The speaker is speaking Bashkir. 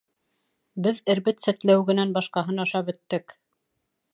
Беҙ эрбет сәтләүегенән башҡаһын ашап бөттөк.